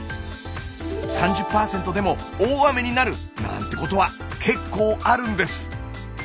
３０％でも大雨になる！なんてことは結構あるんです。